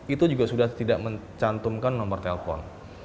itu juga sudah tidak mencantumkan nomor telepon